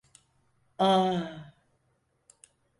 Aaaa!